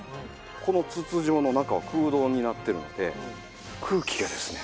この筒状の中は空洞になってるので空気がですね